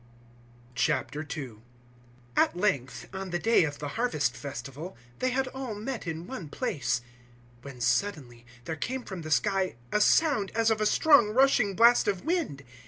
002:001 At length, on the day of the Harvest Festival, they had all met in one place; 002:002 when suddenly there came from the sky a sound as of a strong rushing blast of wind.